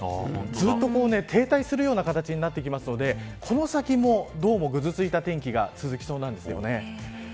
ずっと停滞するような形になっていきますので、この先どうもぐずついた天気が続きそうなんです。